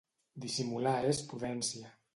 Dissimular és prudència.